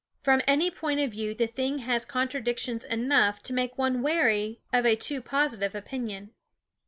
From any point of view the thing has contradictions enough to make one wary of a too positive opinion.